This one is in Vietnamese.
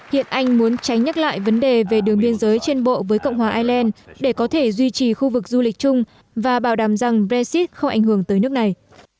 hiện anh muốn tránh nhắc lại vấn đề về đường biên giới trên bộ với cộng hòa ireland để có thể duy trì khu vực du lịch chung và bảo đảm rằng brexit không ảnh hưởng tới nước này